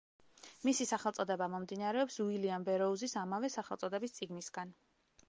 მისი სახელწოდება მომდინარეობს უილიამ ბეროუზის ამავე სახელწოდების წიგნისგან.